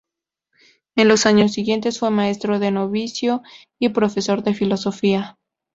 En los años siguientes fue maestro de novicio y profesor de filosofía.